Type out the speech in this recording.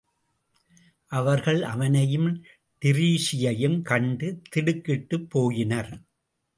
அவர்கள் அவனையும் டிரீஸியையும் கண்டு திடுக்கிட்டுப்போயினர்.